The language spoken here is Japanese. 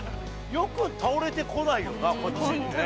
よく倒れてこないよな、こっちにね。